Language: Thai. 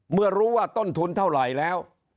เมื่อรู้ว่าต้นทุนเท่าไหร่แล้ว